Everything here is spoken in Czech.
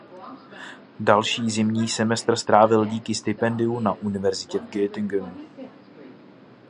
Další zimní semestr strávil díky stipendiu na univerzitě v Göttingenu.